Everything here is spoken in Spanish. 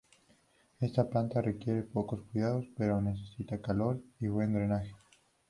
Esta planta requiere pocos cuidados, pero necesita calor y buen drenaje.